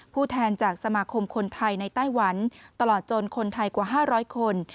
ผู้แทนจากสมาคมคนไทยในไต้หวันตลอดจนคนไทยกว่า๕๐๐คน